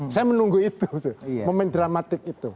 saya menunggu itu momen dramatik itu